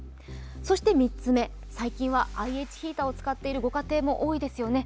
そして３つ目、最近はＩＨヒーターを使っているご家庭も多いですよね。